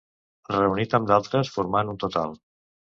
Reunit amb d'altres formant un total.